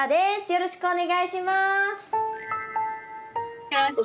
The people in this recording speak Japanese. よろしくお願いします。